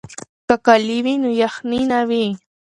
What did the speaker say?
که کالي وي نو یخنۍ نه وي.